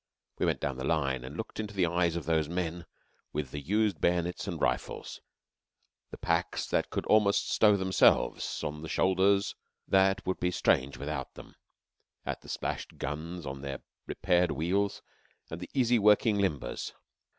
We went down the line and looked into the eyes of those men with the used bayonets and rifles; the packs that could almost stow themselves on the shoulders that would be strange without them; at the splashed guns on their repaired wheels, and the easy working limbers.